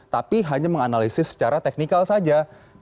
tapi hanya menganalisis secara teknikal saja